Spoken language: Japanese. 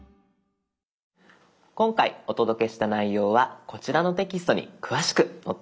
今回お届けした内容はこちらのテキストに詳しく載っています。